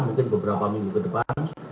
mungkin beberapa minggu ke depan